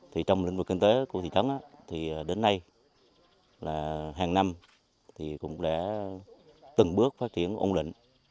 thì trong lĩnh vực kinh tế của thị trấn thì đến nay là hàng năm thì cũng đã từng bước phát triển ổn định